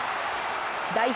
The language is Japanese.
代表